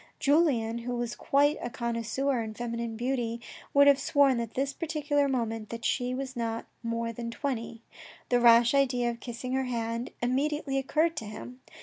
Julien, who was quite a connoisseur in feminine beauty, would have sworn at this particular moment that she was not more than twenty. The rash idea of kissing her hand immediately occurred to him.